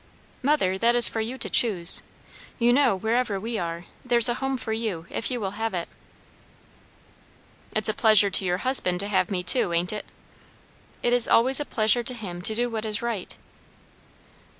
"Mother, that is for you to choose. You know, where ever we are, there's a home for you if you will have it." "It's a pleasure to your husband to have me, too, ain't it?" "It is always a pleasure to him to do what is right."